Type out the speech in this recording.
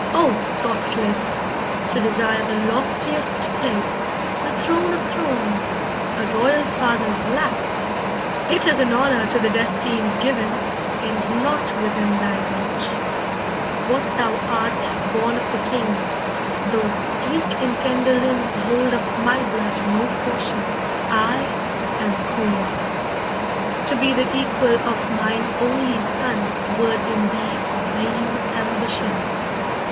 Oh thoughtless! To desire the loftiest place, The throne of thrones, a royal father's lap! It is an honour to the destined given, And not within thy reach. What though thou art Born of the king; those sleek and tender limbs Hold of my blood no portion; I am queen. To be the equal of mine only son Were in thee vain ambition.